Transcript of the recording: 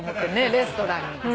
レストランに。